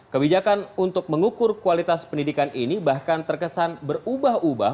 kebijakan untuk mengukur kualitas pendidikan ini bahkan terkesan berubah ubah